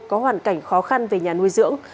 có hoàn cảnh khó khăn về nhà nuôi dưỡng